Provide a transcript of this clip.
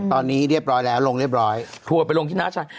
ตอนนี้เรียบร้อยแล้วลงเรียบร้อยทัวร์ไปลงที่น้าชาย